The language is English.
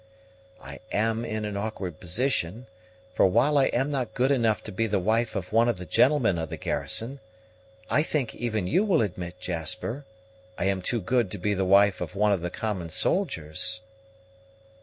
I am in an awkward position; for while I am not good enough to be the wife of one of the gentlemen of the garrison, I think even you will admit, Jasper, I am too good to be the wife of one of the common soldiers."